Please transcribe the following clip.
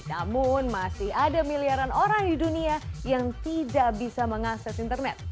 namun masih ada miliaran orang di dunia yang tidak bisa mengakses internet